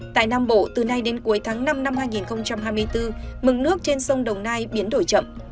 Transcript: tại nam bộ từ nay đến cuối tháng năm năm hai nghìn hai mươi bốn mực nước trên sông đồng nai biến đổi chậm